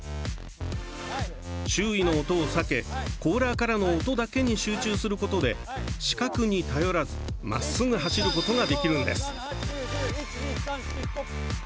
周囲の音を避け、コーラーからの音だけに集中することで視覚に頼らずまっすぐ走ることができるんです！